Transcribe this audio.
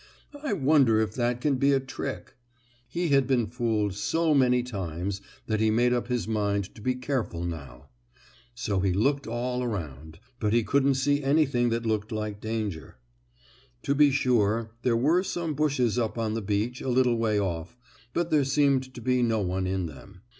"I wonder if that can be a trick?" He had been fooled so many times that he made up his mind to be careful now. So he looked all around, but he couldn't see anything that looked like danger. To be sure, there were some bushes up on the beach, a little way off, but there seemed to be no one in them.